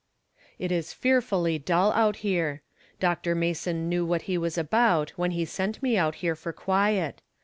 It is fearfully dull out^ here. Dr. Mason knew what he was about when he sent me out here for quiet.